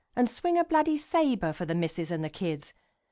An' swing a —— sabre Fer the missus an' the kids.